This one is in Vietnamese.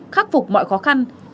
khắc phục mọi khó khăn